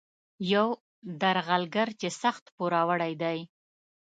یو درغلګر چې سخت پوروړی دی.